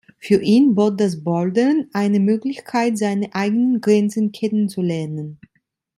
Für ihn bot das Bouldern eine Möglichkeit, seine eigenen Grenzen kennenzulernen.